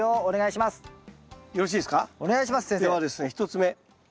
１つ目。